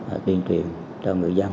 đã tuyên truyền cho người dân